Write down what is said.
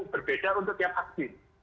berbeda untuk tiap vaksin